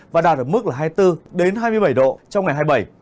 và đạt ở mức là hai mươi bốn hai mươi bảy độ trong ngày hai mươi bảy